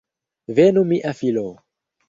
Venu mia filo!